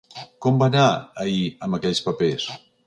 Com va anar ahir amb aquells papers?